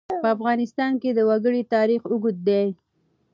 په افغانستان کې د وګړي تاریخ اوږد دی.